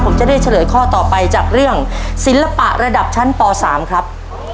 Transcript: ผมจะได้เฉลยข้อต่อไปจากเรื่องศิลปะระดับชั้นป๓ครับ